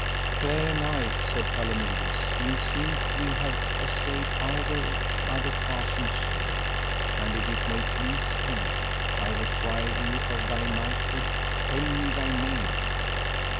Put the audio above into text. Fair knight, said Palomides, meseemeth we have assayed either other passing sore, and if it may please thee, I require thee of thy knighthood tell me thy name.